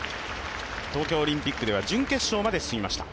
東京オリンピックでは準決勝まで進みました。